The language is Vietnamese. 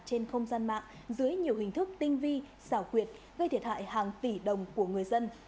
trên không gian mạng dưới nhiều hình thức tinh vi xảo quyệt gây thiệt hại hàng tỷ đồng của người dân